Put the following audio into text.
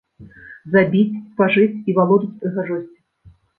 Забіць, спажыць і валодаць прыгажосцю!